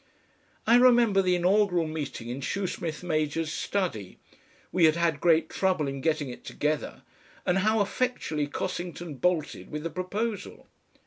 I remember the inaugural meeting in Shoesmith major's study we had had great trouble in getting it together and how effectually Cossington bolted with the proposal.